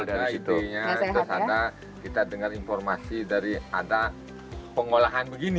ada itu nya ada kita dengar informasi dari ada pengelolaan begini